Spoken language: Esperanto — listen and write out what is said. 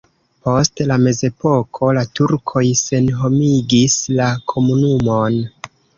Post la mezepoko la turkoj senhomigis la komunumon.